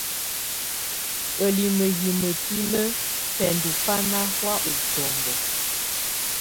Ǝ́limǝ́ yɛ́ mǝ́binǝ́ bɛndɔ́ bá ná hɔ̀á útɔ́mbɔ.